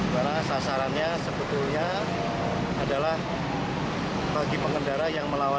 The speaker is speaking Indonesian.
karena sasarannya sebetulnya adalah bagi pengendara yang melawan